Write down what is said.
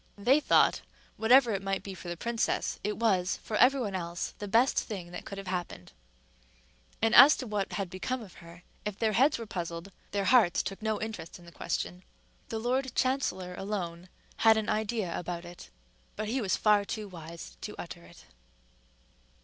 They thought, whatever it might be for the princess, it was, for every one else, the best thing that could have happened; and as to what had become of her, if their heads were puzzled, their hearts took no interest in the question. The lord chancellor alone had an idea about it, but he was far too wise to utter it.